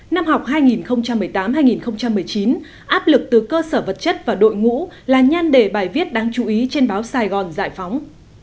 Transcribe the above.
năm học hai nghìn một mươi tám hai nghìn một mươi chín áp lực từ cơ sở vật chất và đội ngũ là nhan đề bài viết đáng chú ý trên báo sài gòn giải phóng